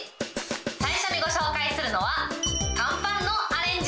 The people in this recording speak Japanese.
最初にご紹介するのは、乾パンのアレンジ。